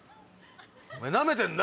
お前ナメてんな？